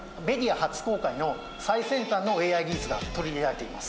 初公開の最先端のＡＩ技術が取り入れられています。